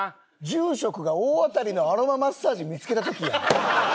住職が大当たりのアロママッサージ見付けた時やん。